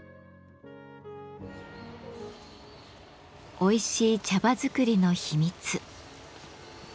おいしい茶葉づくりの秘密。